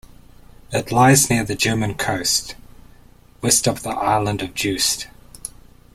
It lies near the German coast, west of the island of Juist.